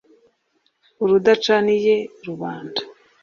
uraducaniye rubanda.